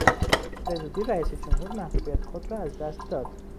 به زودی رئیس جمهور محبوبیت خود را از دست داد.